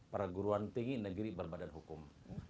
perguruan tinggi negeri berbadan hukum